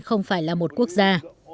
không phải là một quốc gia